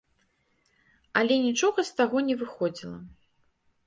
Але нічога з таго не выходзіла.